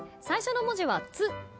最初の文字は「つ」